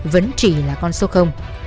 vẫn chỉ là con số